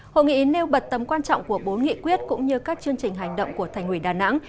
hội nghị nêu bật tấm quan trọng của bốn nghị quyết cũng như các chương trình hành động của thành ủy đà nẵng